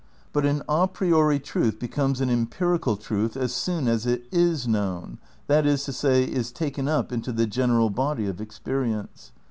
But an a priori truth becomes an empirical truth as soon as it is known, that is to say, is taken up into the general body of experience.